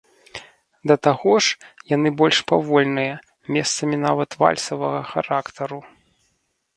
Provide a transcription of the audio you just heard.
Да таго ж, яны больш павольныя, месцамі нават вальсавага характару.